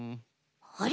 あれ？